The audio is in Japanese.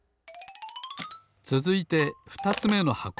つづいてふたつめの箱。